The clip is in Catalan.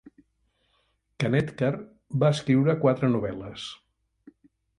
Kanetkar va escriure quatre novel·les.